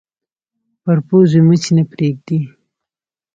پر پوزې مچ نه پرېږدي